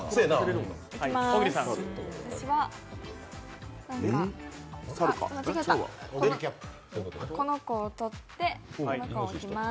私はこの子を取って、この子を置きます。